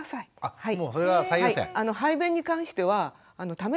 はい。